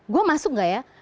gue masuk gak ya